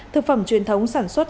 thực phẩm truyền thống sản xuất